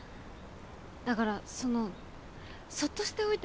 だからそのそっとしておいて。